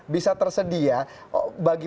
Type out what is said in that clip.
bisa tersedia bagi